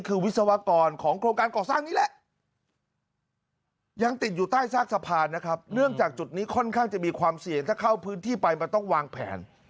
คือวิศวกรของโครงการเกาะซากนี้แหละ